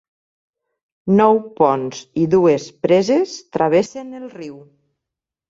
Nou ponts i dues preses travessen el riu.